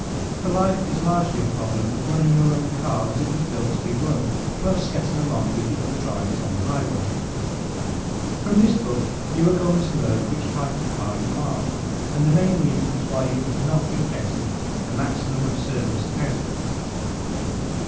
For life is largely a problem of running your own car as it was built to be run, plus getting along with the other drivers on the highway. From this book you are going to learn which type of car you are and the main reasons why you have not been getting the maximum of service out of yourself.